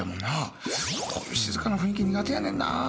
こういう静かな雰囲気苦手やねんな